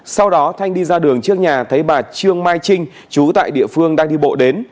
sau đó thanh đi ra đường trước nhà thấy bà trương mai trinh chú tại địa phương đang đi bộ đến